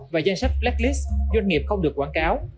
và danh sách black list doanh nghiệp không được quảng cáo